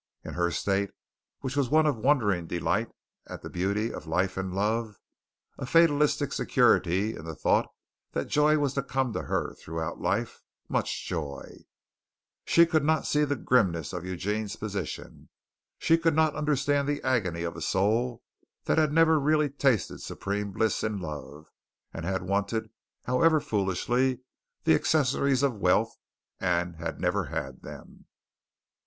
In her state, which was one of wondering delight at the beauty of life and love a fatalistic security in the thought that joy was to come to her throughout life much joy. She could not see the grimness of Eugene's position. She could not understand the agony of a soul that had never really tasted supreme bliss in love, and had wanted, however foolishly, the accessories of wealth, and had never had them.